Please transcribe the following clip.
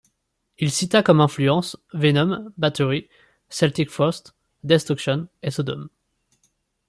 Il cita comme influences Venom, Bathory, Celtic Frost, Destruction et Sodom.